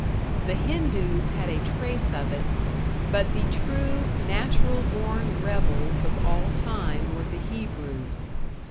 The Hindoos had a trace of it; but the true, natural born rebels of all time were the Hebrews.